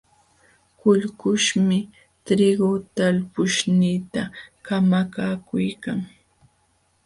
Kullkuśhmi triigu talpuyniita kamakaykuykan.